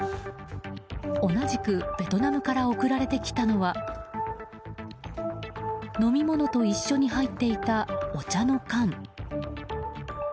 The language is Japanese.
同じくベトナムから送られてきたのは飲み物と一緒に入っていたお茶の缶。